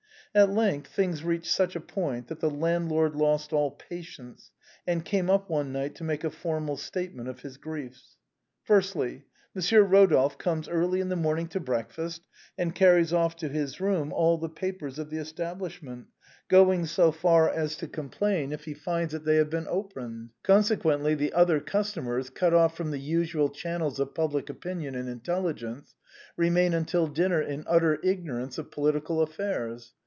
At length things reached such a point that the landlord 123 124 THE BOHEMIANS OF THE LATIN QUARTER. lost all patience, and came up one night to make a formal statement of his griefs: " Firstly. Monsieur Rodolphe comes early in the morn ing to breakfast, and carries off to his room all the papers of the establishment, going so far as to complain if he finds that they have been opened; consequently, the other customers, cut off from the usual channels of public opinion and intelligence, remain till dinner in utter ignorance of political affairs.